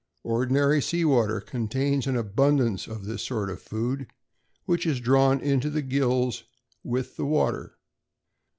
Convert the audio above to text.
Ordinary sea water contains an abundance of this sort of food, which is drawn into the gills with the water.